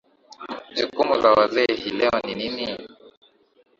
jukumu la wazee hii leo ni nini